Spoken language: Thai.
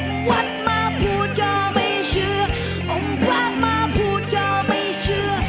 วัดมาพูดก็ไม่เชื่ออมกว้างมาพูดก็ไม่เชื่อ